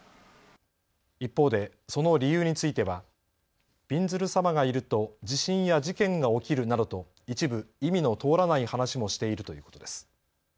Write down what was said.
一方でその理由についてはびんずるさまがいると地震や事件が起きるなどと一部、意味の通らない話もしているということです。